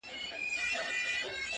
• زه پوهېدم څوک به دي نه خبروي ,